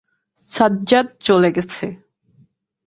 সাজ্জাদ চলে গেছে!